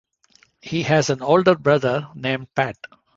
He has an older brother named Pat.